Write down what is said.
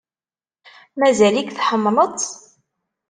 Mazal-ik tḥemmleḍ-tt?